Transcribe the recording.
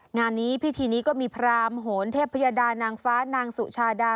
งานนี้พิธีนี้ก็มีพรามโหนเทพยดานางฟ้านางสุชาดา